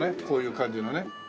こういう感じのね。